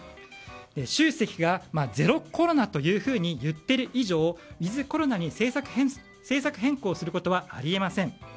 習主席がゼロコロナというふうに言っている以上ウィズコロナに政策変更することはあり得ません。